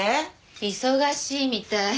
忙しいみたい。